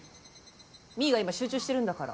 実衣が、今、集中してるんだから。